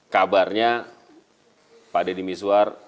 kabarnya pak dedy miswar